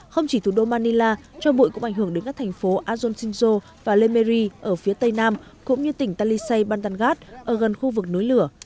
không chỉ thủ đô manila cho bụi cũng ảnh hưởng đến các thành phố ajonjinjo và lemeri ở phía tây nam cũng như tỉnh talisay bandangat ở gần khu vực núi lửa